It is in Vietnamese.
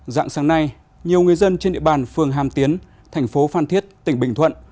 dạng sáng nay nhiều người dân trên địa bàn phường hàm tiến thành phố phan thiết tỉnh bình thuận